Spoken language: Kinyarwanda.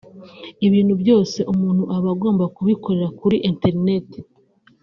ibintu byose umuntu aba agomba kubikorera kuri internet